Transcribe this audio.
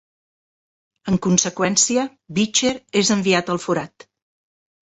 En conseqüència, Beecher és enviat al forat.